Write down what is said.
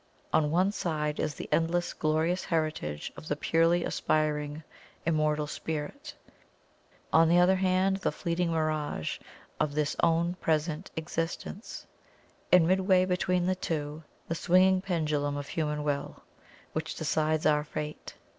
On one side is the endless, glorious heritage of the purely aspiring, Immortal Spirit; on the other the fleeting Mirage of this our present Existence; and, midway between the two, the swinging pendulum of HUMAN WILL, which decides our fate.